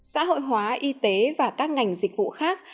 xã hội hóa y tế và các ngành dịch vụ khác